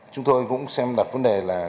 chúng tôi cũng xem đặt vấn đề là